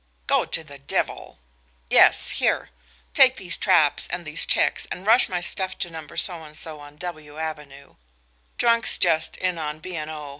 "Go to the devil yes, here! Take these traps and these checks and rush my stuff to No. , W Avenue. Trunks just in on B.& O.